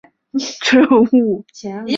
内政及王国关系部辅佐政务。